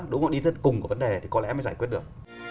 đủ nguồn ý thân cùng của vấn đề thì có lẽ mới giải quyết được